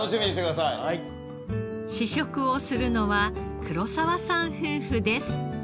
試食をするのは黒澤さん夫婦です。